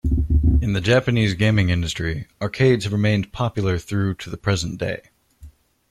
In the Japanese gaming industry, arcades have remained popular through to the present day.